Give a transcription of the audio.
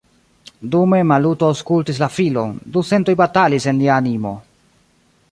Dume Maluto aŭskultis la filon, du sentoj batalis en lia animo.